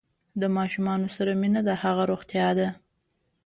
د ماشوم سره مینه د هغه روغتیا ده۔